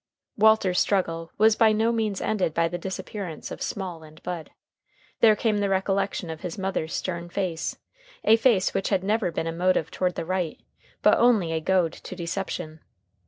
Walter's struggle was by no means ended by the disappearance of Small and Bud. There came the recollection of his mother's stern face a face which had never been a motive toward the right, but only a goad to deception.